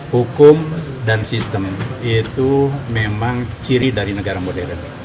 hukum dan sistem itu memang ciri dari negara modern